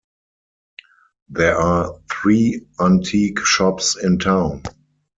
There are three antique shops in town.